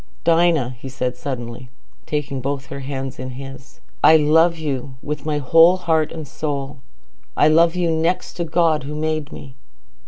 "Dinah," he said suddenly, taking both her hands between his, "I love you with my whole heart and soul. I love you next to God who made me."